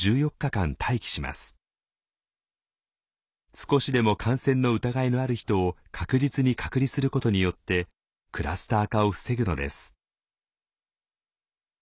少しでも感染の疑いのある人を確実に隔離することによってクラスター化を防ぐのです。